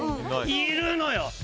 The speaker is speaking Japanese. いるのよ！